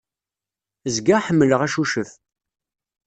Zgiɣ ḥemmleɣ acucef.